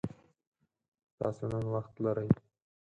تاسو نن وخت لری؟